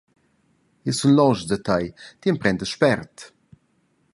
Jeu sun loschs da tei, ti emprendas spert.